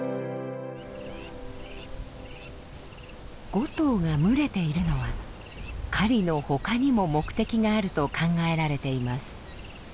５頭が群れているのは狩りの他にも目的があると考えられています。